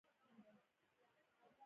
پوځ زړه قوت کړ.